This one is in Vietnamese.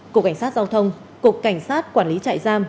cục cảnh sát giao thông cục cảnh sát quản lý trại giam